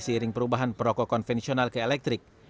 seiring perubahan perokok konvensional ke elektrik